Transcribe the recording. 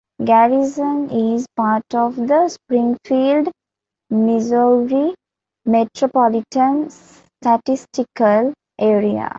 Garrison is part of the Springfield, Missouri Metropolitan Statistical Area.